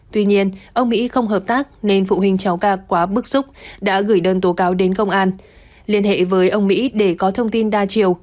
tuy nhiên ông mỹ không hợp tác nên phụ huynh cháu ca quá bức xúc đã gửi đơn tố cáo đến công an liên hệ với ông mỹ để có thông tin đa chiều